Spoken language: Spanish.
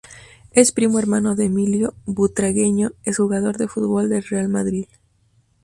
Es primo hermano de Emilio Butragueño, exjugador de fútbol del Real Madrid.